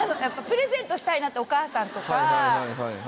やっぱりプレゼントしたいなってお母さんとか。